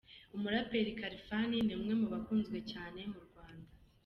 Umuraperi Khalfan ni umwe mu bakunzwe cyane mu Rwanda.